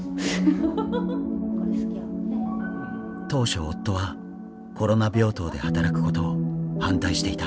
当初夫はコロナ病棟で働くことを反対していた。